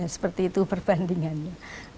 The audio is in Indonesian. seperti itu perbandingannya